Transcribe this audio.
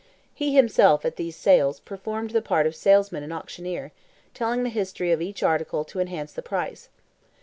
He himself, at these sales, performed the part of salesman and auctioneer, telling the history of each article to enhance the price.